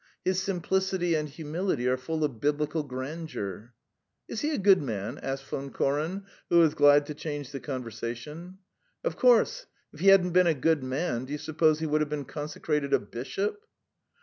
His simplicity and humility are full of Biblical grandeur." "Is he a good man?" asked Von Koren, who was glad to change the conversation. "Of course! If he hadn't been a good man, do you suppose he would have been consecrated a bishop?"